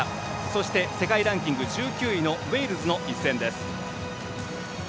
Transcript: そして、世界ランキング１９位のウェールズの一戦です。